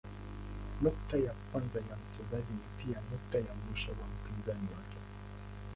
Nukta ya kwanza ya mchezaji ni pia nukta ya mwisho wa mpinzani wake.